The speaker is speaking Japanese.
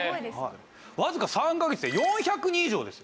わずか３カ月で４００人以上です。